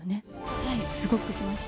はい、すごくしました。